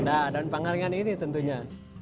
nah dan pangaringan ini tentunya